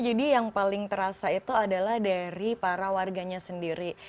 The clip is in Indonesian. yang paling terasa itu adalah dari para warganya sendiri